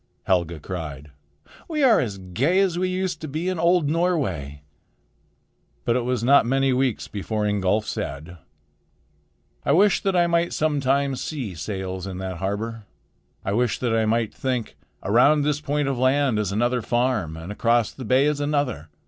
Helga cried. "We are as gay as we used to be in old Norway." But it was not many weeks before Ingolf said: "I wish that I might sometime see sails in that harbor. I wish that I might think, 'Around this point of land is another farm, and across the bay is another.